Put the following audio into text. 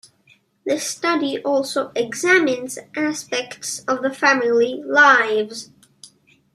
The study also examines aspects of the family lives.